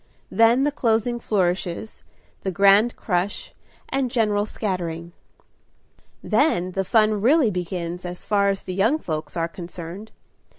Then the closing flourishes, the grand crush, and general scattering. Then the fun really begins, as far as the young folks are concerned.